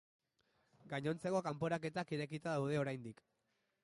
Gainontzeko kanporaketak irekita daude oraindik.